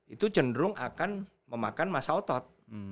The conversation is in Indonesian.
itu cenderung akan memakan masa otot